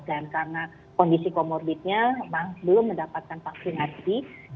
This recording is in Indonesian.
dan karena kondisi comorbidnya memang belum mendapatkan vaksinasi